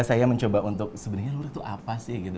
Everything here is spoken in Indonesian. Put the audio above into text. saya mencoba untuk sebenarnya lur itu apa sih gitu